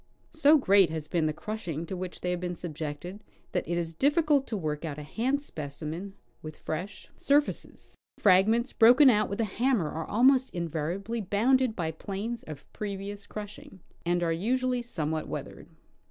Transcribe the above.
So great has been the crushing to which they have been subjected that it is difficult to work out a hand speoimen with fresh sur faces. Fragments broken out with a hammer are almost inva riably bounded by plains of previous crushing, and are usually somewhat weathered.